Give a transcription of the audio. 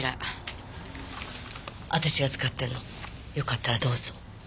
私が使ってるのよかったらどうぞ。